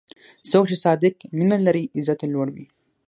څوک چې صادق مینه لري، عزت یې لوړ وي.